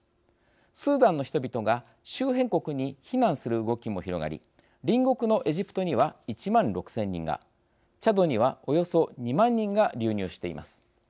スーダンの人々が周辺国に避難する動きも広がり隣国のエジプトには１万６，０００人がチャドにはおよそ２万人が流入しています。